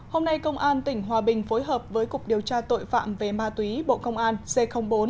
hôm nay công an tỉnh hòa bình phối hợp với cục điều tra tội phạm về ma túy bộ công an c bốn